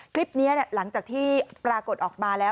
คลิปนี้หลังจากที่ปรากฏออกมาแล้ว